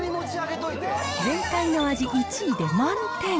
全体の味１位で満点。